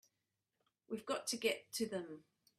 We've got to get to them!